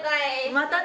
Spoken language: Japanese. またね。